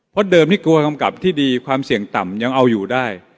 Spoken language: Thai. เพราะเดิมที่กลัวกำกับที่ดีความเสี่ยงต่ำยังเอาอยู่ได้